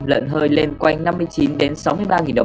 lợn hơi lên quanh năm mươi chín sáu mươi ba đồng một kg